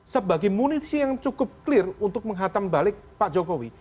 sebagai munisi yang cukup clear untuk menghatam balik pak jokowi